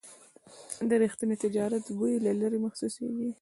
د رښتیني تجارت بوی له لرې محسوسېږي.